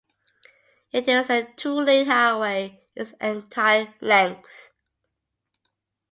It is a two-lane highway its entire length.